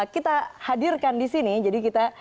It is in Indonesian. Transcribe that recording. kita hadirkan di sini jadi kita